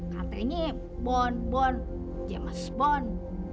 kartenya bon bon jemas bon